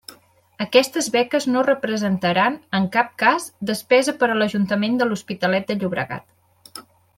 Aquestes beques no representaran, en cap cas, despesa per a l'Ajuntament de L'Hospitalet de Llobregat.